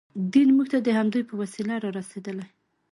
دین موږ ته د همدوی په وسیله رارسېدلی.